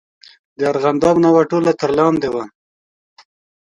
د ارغنداب ناوه ټوله تر لاندې ده.